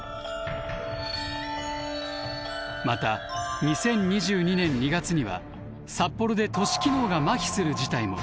また２０２２年２月には札幌で都市機能がマヒする事態も。